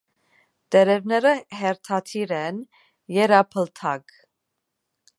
Տերևները հերթադիր են, եռաբլթակ։